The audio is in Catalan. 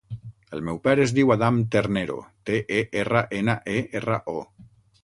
El meu pare es diu Adam Ternero: te, e, erra, ena, e, erra, o.